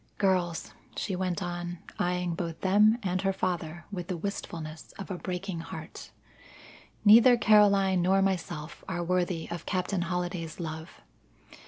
Girls," she went on, eyeing both them and her father with the wistfulness of a breaking heart, "neither Caroline nor myself are worthy of Captain Holliday's love.